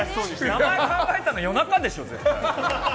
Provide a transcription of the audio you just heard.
名前考えたの夜中でしょ、絶対。